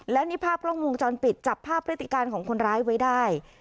และนี่ภาพกล้องวงจรปิดจับภาพพฤติการของคนร้ายไว้ได้